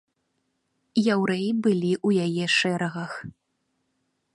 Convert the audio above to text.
Яўрэі былі ў яе шэрагах.